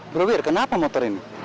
brawir kenapa motor ini